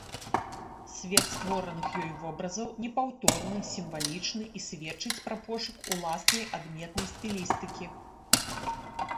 Свет створаных ёй вобразаў непаўторны, сімвалічны і сведчыць пра пошук уласнай адметнай стылістыкі.